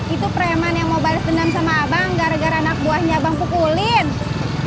itu preman yang mau balas dendam sama abang gara gara anak buahnya abang pukulin